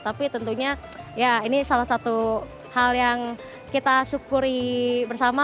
tapi tentunya ya ini salah satu hal yang kita syukuri bersama